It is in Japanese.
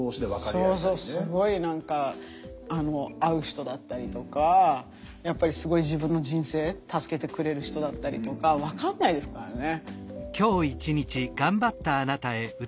そうそうすごい何か合う人だったりとかやっぱりすごい自分の人生助けてくれる人だったりとか分かんないですからね。